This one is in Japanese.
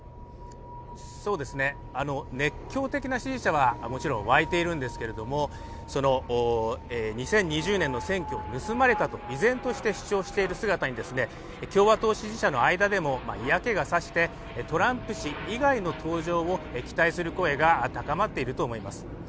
熱狂的な支持者はもちろん沸いているんですけれども、２０２０年の選挙を盗まれたと依然として主張している姿に共和党支持者の間でも、嫌気がさしてトランプ氏以外の登場を期待する声が高まっていると思います。